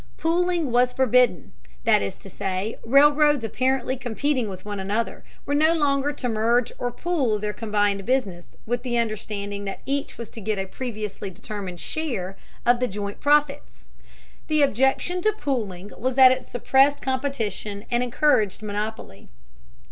Pooling was forbidden, that is to say, railroads apparently competing with one another were no longer to merge or pool their combined business with the understanding that each was to get a previously determined share of the joint profits. The objection to pooling was that it suppressed competition and encouraged monopoly.